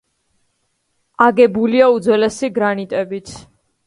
აგებულია უძველესი გრანიტებით.